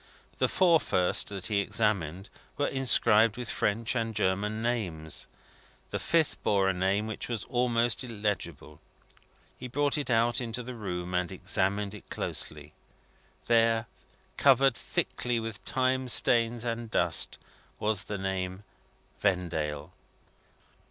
The four first that he examined, were inscribed with French and German names. The fifth bore a name which was almost illegible. He brought it out into the room, and examined it closely. There, covered thickly with time stains and dust, was the name: "Vendale."